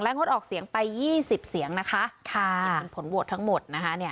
และงดออกเสียงไปยี่สิบเสียงนะคะค่ะผลโหวตทั้งหมดนะคะเนี้ย